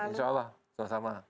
insya allah sama sama